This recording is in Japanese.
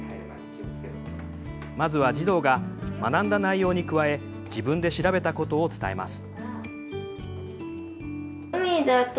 まずは児童が、学んだ内容に加え自分で調べたことを伝えます。